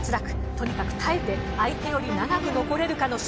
とにかく耐えて相手より長く残れるかの勝負です。